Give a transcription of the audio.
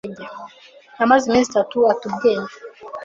Amaze iminsi itatu ata ubwenge.